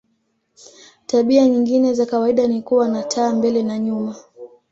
Tabia nyingine za kawaida ni kuwa na taa mbele na nyuma.